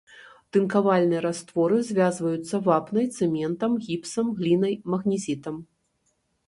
Тынкавальныя растворы звязваюцца вапнай, цэментам, гіпсам, глінай, магнезітам.